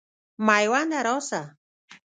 مېونده راسه.